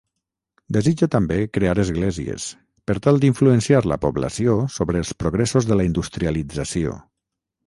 Desitja també crear esglésies, per tal d'influenciar la població sobre els progressos de la industrialització.